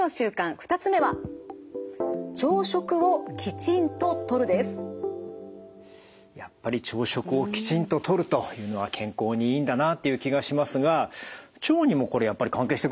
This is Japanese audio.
２つ目はやっぱり朝食をきちんととるというのは健康にいいんだなという気がしますが腸にもこれやっぱり関係してくるんですね。